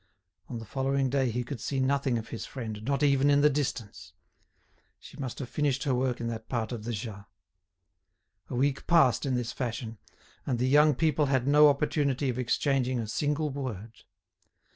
On the following day he could see nothing of his friend, not even in the distance; she must have finished her work in that part of the Jas. A week passed in this fashion, and the young people had no opportunity of exchanging a single word.